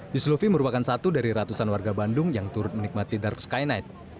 yusluvi merupakan satu dari ratusan warga bandung yang turut menikmati dark sky night